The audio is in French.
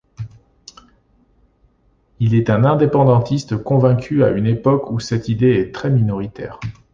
Il est un indépendantiste convaincu à une époque où cette idée est très minoritaire.